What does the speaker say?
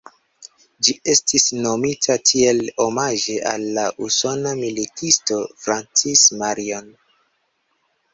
Ĝi estis nomita tiel omaĝe al la usona militisto Francis Marion.